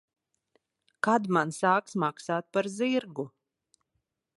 Kad man sāks maksāt par zirgu?